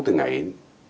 từ ngày đến